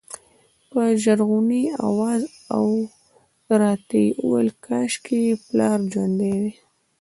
په ژړغوني اواز یې راته ویل کاشکې دې پلار ژوندی وای.